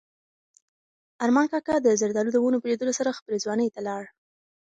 ارمان کاکا د زردالو د ونو په لیدلو سره خپلې ځوانۍ ته لاړ.